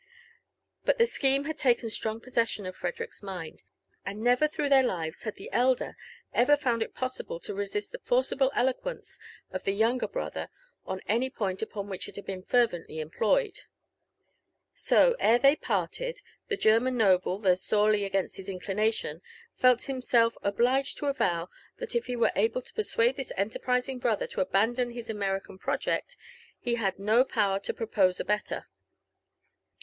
But the scheme had taken strong possession of Frederick's mind, and never through their lives had the elder ever found it possible to resist the forcible eloquence of the younger brother on aay point upon which it had been fervently employed. So, ere they parted, the German noble, though sorely against his inclinalioA, felt himself obliged to avow, that if he were able to persuade this enterprising brother to abandon his American project, he had no power to propose a better.